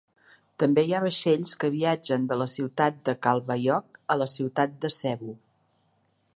També hi ha vaixells que viatgen de la ciutat de Calbayog a la ciutat de Cebu.